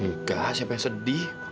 enggak siapa yang sedih